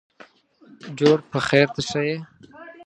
جوړ په خیرته ښه یې.